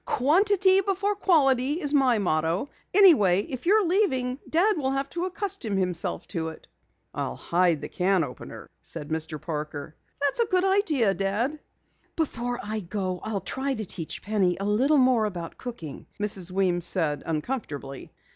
"Quantity before quality is my motto. Anyway, if you are leaving, Dad will have to accustom himself to it." "I'll hide the can opener," said Mr. Parker. "That's a good idea, Dad." "Before I go, I'll try to teach Penny a little more about cooking," Mrs. Weems said uncomfortably.